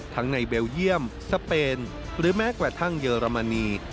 ทั้งในเบลเยี่ยมสเปนหรือแม้กว่าทางเยอรมนี